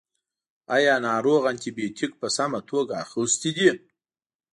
ایا ناروغ انټي بیوټیک په سمه توګه اخیستی دی.